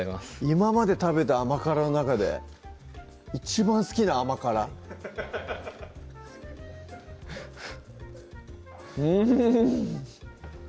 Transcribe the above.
今まで食べた甘辛の中で一番好きな甘辛うん